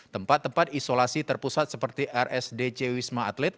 tempat tempat isolasi terpusat seperti rsdc wisma atlet